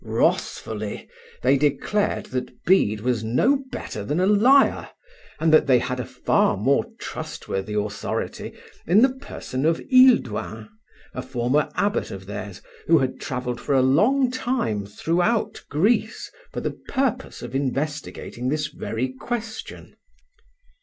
Wrathfully they declared that Bede was no better than a liar, and that they had a far more trustworthy authority in the person of Hilduin, a former abbot of theirs, who had travelled for a long time throughout Greece for the purpose of investigating this very question.